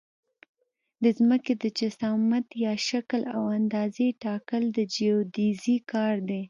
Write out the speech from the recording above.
د ځمکې د جسامت یا شکل او اندازې ټاکل د جیودیزي کار دی